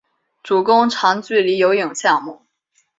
主攻长距离游泳项目。